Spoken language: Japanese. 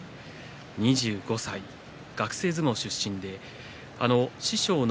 ２５歳、学生相撲出身で師匠の